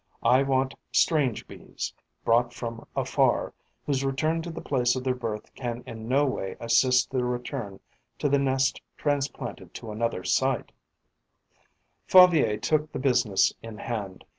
I want strange Bees, brought from afar, whose return to the place of their birth can in no way assist their return to the nest transplanted to another site. Favier took the business in hand.